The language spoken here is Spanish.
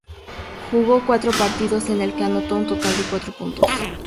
Jugó cuatro partidos, en los que anotó un total de cuatro puntos.